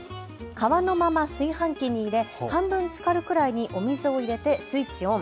皮のまま炊飯器に入れ半分つかるくらいにお水を入れてスイッチオン。